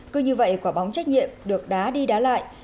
cứ như vậy quả bóng trách nhiệm được đá đi đá lại